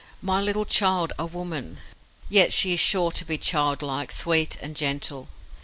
My little child a woman! Yet she is sure to be childlike, sweet, and gentle.